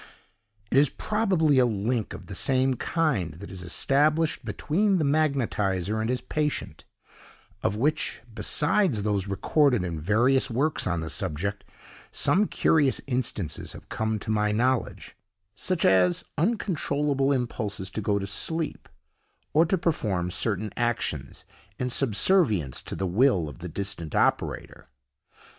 It is probably a link of the same kind that is established between the magnetiser and his patient, of which, besides those recorded in various works on the subject, some curious instances have come to my knowledge, such as uncontrollable impulses to go to sleep, or to perform certain actions, in subservience to the will of the distant operator.